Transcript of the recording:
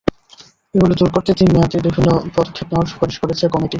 এগুলো দূর করতে তিন মেয়াদে বিভিন্ন পদক্ষেপ নেওয়ার সুপারিশ করেছে কমিটি।